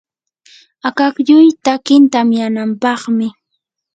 akaklluy takin tamyanampaqmi.